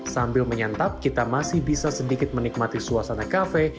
sambil menyantap kita masih bisa sedikit menikmati suasana kafe